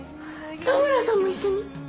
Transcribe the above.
田村さんも一緒に！